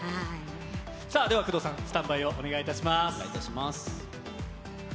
さあ、では工藤さん、スタンバイをお願いいたします。